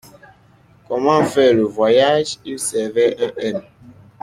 Comment faire le voyage ? Il servait un M.